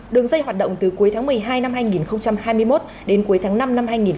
đường dây hoạt động từ cuối tháng một mươi hai năm hai nghìn hai mươi một đến cuối tháng năm năm hai nghìn hai mươi ba